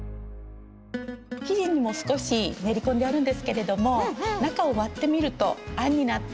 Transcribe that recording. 生地にも少し練り込んであるんですけれども中を割ってみるとあんになって入ってます。